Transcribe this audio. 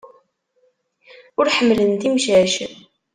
Ur ḥemmlent imcac.